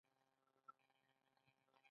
خپل رب څنګه وپیژنو؟